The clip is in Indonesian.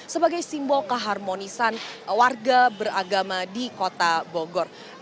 sebagai simbol keharmonisan warga beragama di kota bogor